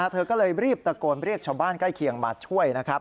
เธอก็เลยรีบตะโกนเรียกชาวบ้านใกล้เคียงมาช่วยนะครับ